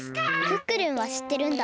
クックルンはしってるんだ。